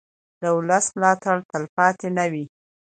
د ولس ملاتړ تلپاتې نه وي